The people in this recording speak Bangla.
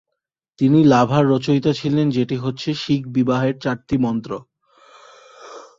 তিনি লাভার রচয়িতা ছিলেন যেটি হচ্ছে, শিখ বিবাহের চারটি মন্ত্র।